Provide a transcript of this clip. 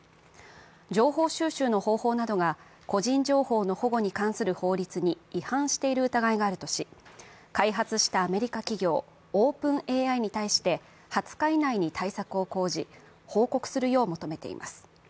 情報収集の方法などが個人情報の保護に関する法律に違反している疑いがあるとし、開発したアメリカ企業、オープンＡＩに対して２０日以内に対策を講じ報告するよう求めています。